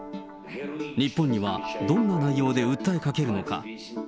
日本にはどんな内容で訴えかけるのか。